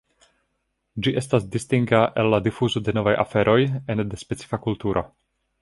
Ĝi estas distinga el la difuzo de novaj aferoj ene de specifa kulturo.